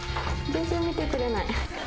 全然見てくれない。